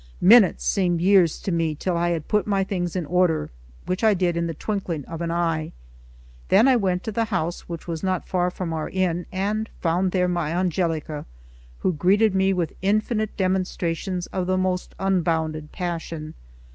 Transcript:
Minutes seemed years to me till I had put my things in order, which I did in the twinkling of an eye; then I went to the house, which was not far from our inn, and found there my Angelica, who greeted me with infinite demonstrations of the most unbounded passion.